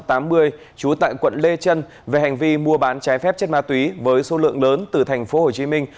trú tại quận lê trân về hành vi mua bán trái phép chất ma túy với số lượng lớn từ thành phố hồ chí minh